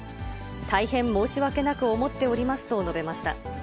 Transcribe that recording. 大変申し訳なく思っておりますと述べました。